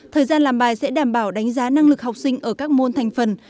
thời gian làm bài sẽ đảm bảo đánh giá năng lực học sinh ở các môn thành phần